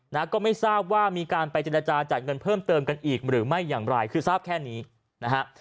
นะก็ไม่ทราบว่ามีการไปเจรจาจ่ายเงินเพิ่มเติมกันอีกหรือไม่อย่างไรคือทราบแค่นี้นะฮะ